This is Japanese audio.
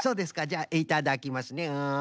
じゃあいただきますね。